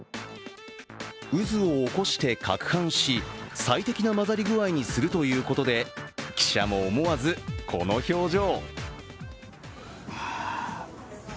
渦を起こしてかくはんし、最適な混ざり具合にするということで記者も思わず、この表情。